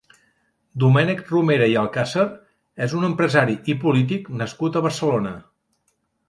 Domènec Romera i Alcázar és un empresari i polític nascut a Barcelona.